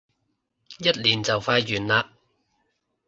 一年就快完嘞